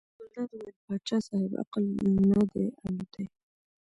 ګلداد وویل پاچا صاحب عقل نه دی الوتی.